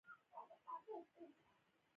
دواړه کسان باسواده وو.